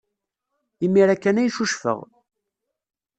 Imir-a kan ay ccucfeɣ.